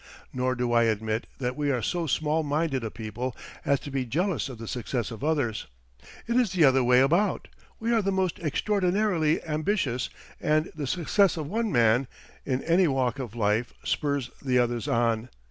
Nor do I admit that we are so small minded a people as to be jealous of the success of others. It is the other way about: we are the most extraordinarily ambitious, and the success of one man in any walk of life spurs the others on.